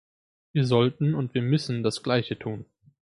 Wir sollten und wir müssen das Gleiche tun.